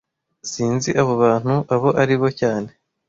Sinzi abo bantu abo ari bo cyane